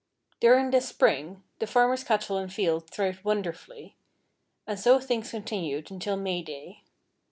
During this Spring the farmer's cattle and fields thrived wonderfully. And so things continued until May Day.